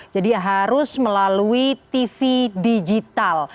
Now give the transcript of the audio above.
jadi harus melalui tv digital